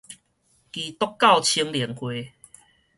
基督教青年會